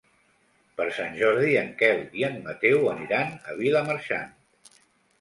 Per Sant Jordi en Quel i en Mateu aniran a Vilamarxant.